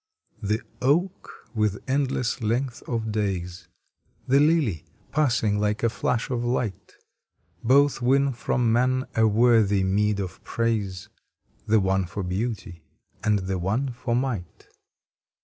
T^HE Oak with endless length of days, The Lily passing like a flash of light, Both win from man a worthy meed of praise, The one for beauty and the one for might.